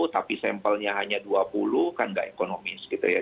tapi sampelnya hanya dua puluh kan nggak ekonomis gitu ya